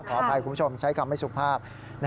ขออภัยคุณผู้ชมใช้คำไม่สุภาพ